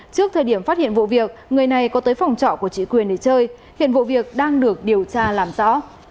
trước thời điểm phát hiện vụ việc người này có tới phòng trọ của chị quyền để chơi hiện vụ việc đang được điều tra làm rõ